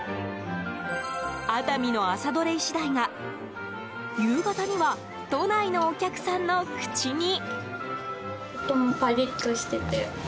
熱海の朝どれイシダイが夕方には都内のお客さんの口に。